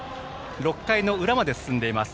６回の裏まで進んでいます。